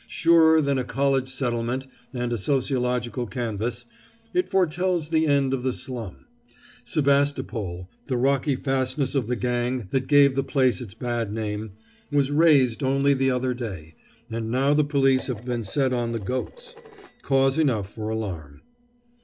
Surer than a college settlement and a sociological canvass, it foretells the end of the slum. Sebastopol, the rocky fastness of the gang that gave the place its bad name, was razed only the other day, and now the police have been set on the goats. Cause enough for alarm.